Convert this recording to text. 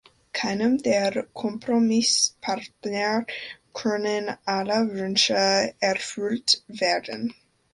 Keinem der Kompromisspartner können alle Wünsche erfüllt werden.